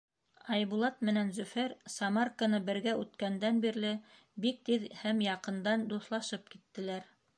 Айбулат менән Зөфәр Самарканы бергә үткәндән бирле бик тиҙ һәм яҡындан дуҫлашып киттеләр.